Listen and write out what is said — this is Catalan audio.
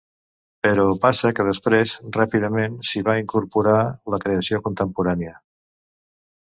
Però passa que després, ràpidament, s’hi va incorporar la creació contemporània.